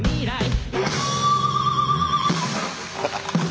アハハハ。